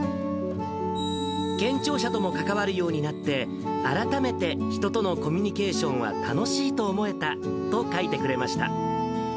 健聴者とも関わるようになって、改めて人とのコミュニケーションは楽しいと思えたと書いてくれました。